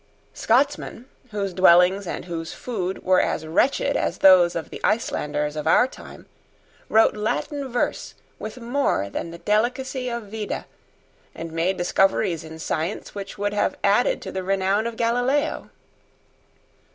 Scotsmen, whose dwellings and whose food were as wretched as those of the Icelanders of our time, wrote Latin verse with more than the delicacy of Vida, and made discoveries in science which would have added to the renown of Galileo.